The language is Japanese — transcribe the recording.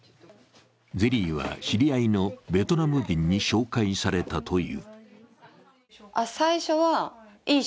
ゼリーは知り合いのベトナム人に紹介されたという。